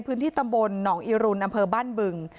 พื้นที่ตำบลหนองอีรุนอำเภอบ้านบึง